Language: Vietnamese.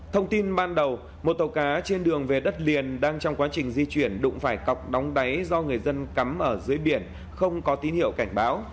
thông tin ban đầu một tàu cá trên đường về đất liền đang trong quá trình di chuyển đụng phải cọc đóng đáy do người dân cắm ở dưới biển không có tín hiệu cảnh báo